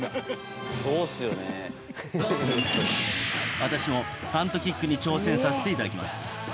私もパントキックに挑戦させていただきます。